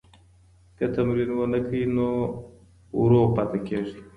که تمرین ونکړئ نو ورو پاتې کیږئ.